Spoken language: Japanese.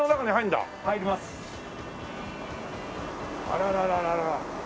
あららら。